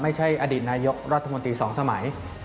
ไม่ใช่อดีตนายกรัฐมนตรี๒สมัย